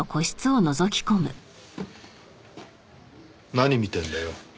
何見てるんだよ？